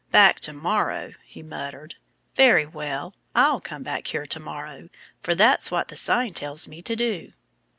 "Back To morrow," he muttered. "Very well! I'll come back here to morrow. For that's what the sign tells me to do."